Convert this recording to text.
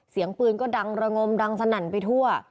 เสียงปืนก็ดังระงมดังสนั่นไปทั่ว